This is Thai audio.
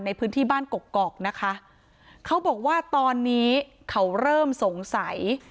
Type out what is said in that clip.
ในพื้นที่บ้านกกอกนะคะเขาบอกว่าตอนนี้เขาเริ่มสงสัย